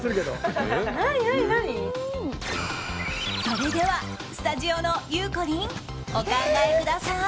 それではスタジオのゆうこりんお考えください！